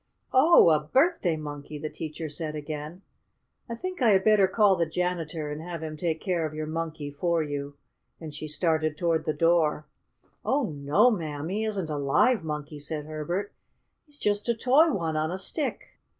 "Oh! A birthday monkey!" the teacher said again. "I think I had better call the janitor and have him take care of your monkey for you," and she started toward the door. "Oh, no'm! He isn't a live monkey," said Herbert. "He's just a toy one, on a stick."